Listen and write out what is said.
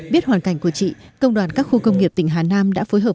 biết hoàn cảnh của chị công đoàn các khu công nghiệp tỉnh hà nam đã phối hợp